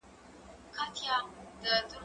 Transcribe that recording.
زه به تمرين کړي وي؟